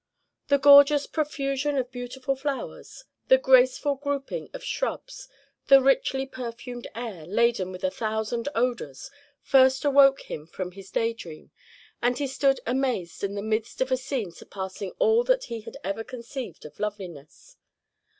The gorgeous profusion of beautiful flowers, the graceful grouping of shrubs, the richly perfumed air, laden with a thousand odors, first awoke him from his day dream, and he stood amazed in the midst of a scene surpassing all that he had ever conceived of loveliness.